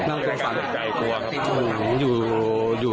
ตัวสั่นอยู่ในการเจ็บใจตัวครับ